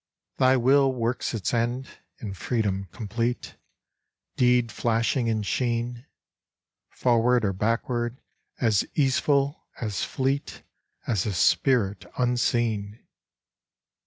Thy will works its end In freedom complete, Deed flashing in sheen; Forward or backward As easeful, as fleet, As a spirit unseen.